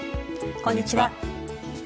こんにちは。